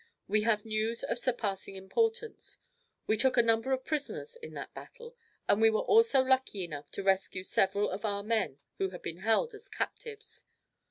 We have news of surpassing importance. We took a number of prisoners in that battle and we were also lucky enough to rescue several of our men who had been held as captives.